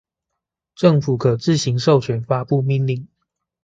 政府可自行授權發布命令